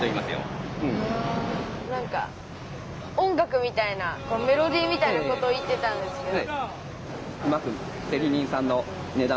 なんか音楽みたいなメロディーみたいなこと言ってたんですけど。